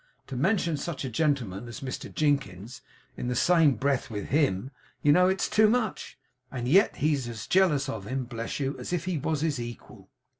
To mention such a gentleman as Mr Jinkins in the same breath with HIM you know it's too much! And yet he's as jealous of him, bless you, as if he was his equal.